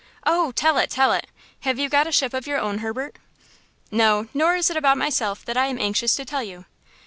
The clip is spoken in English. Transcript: "Oh tell it, tell it! Have you got a ship of your own, Herbert?" "No; nor is it about myself that I am anxious to tell you. Mrs.